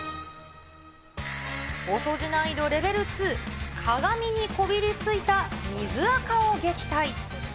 お掃除難易度レベル２、鏡にこびりついた水あかを撃退。